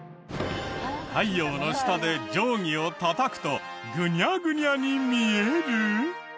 太陽の下で定規をたたくとグニャグニャに見える！？